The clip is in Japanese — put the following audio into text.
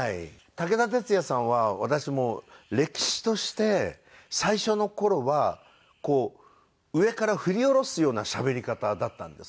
武田鉄矢さんは私もう歴史として最初の頃はこう上から振り下ろすようなしゃべり方だったんですね。